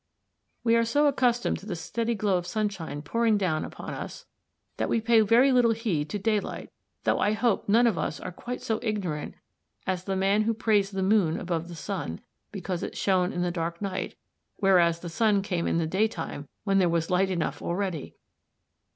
We are so accustomed to the steady glow of sunshine pouring down upon us that we pay very little heed to daylight, though I hope none of us are quite so ignorant as the man who praised the moon above the sun, because it shone in the dark night, whereas the sun came in the daytime when there was light enough already!